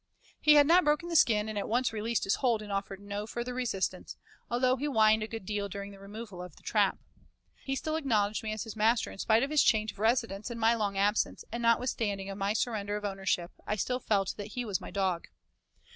He had not broken the skin and at once released his hold and offered no further resistance, although he whined a good deal during the removal of the trap. He still acknowledged me his master in spite of his change of residence and my long absence, and notwithstanding my surrender of ownership I still felt that he was my dog.